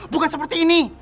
bukan seperti ini